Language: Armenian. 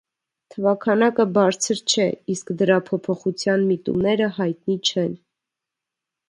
Թվաքանակը բարձր չէ, իսկ դրա փոփոխության միտումները հայտնի չեն։